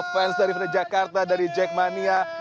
fans dari jakarta dari jackmania